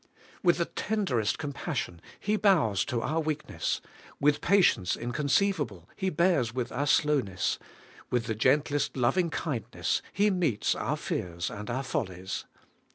With the tenderest compassion He bows to our weakness, with patience inconceivable He bears with our slowness, with the gentlest loving kindness He meets our fears and our follies.